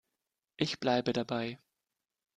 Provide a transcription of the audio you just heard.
Ich bleibe dabei.